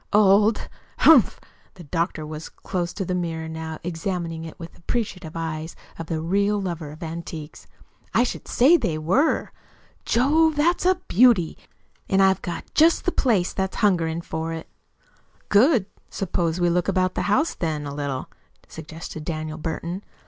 "Old! Humph!" The doctor was close to the mirror now, examining it with the appreciative eyes of the real lover of the antique. "I should say they were. Jove, that's a beauty! And I've got just the place that's hungering for it." "Good! Suppose we look about the house, then, a little," suggested Daniel Burton.